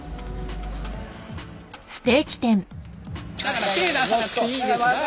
だから手出さなくていいです。